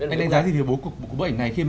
anh đánh giá gì về bố cục của bức ảnh này khi mà